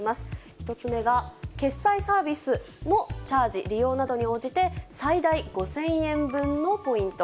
１つ目が、決済サービスのチャージ、利用などに応じて、最大５０００円分のポイント。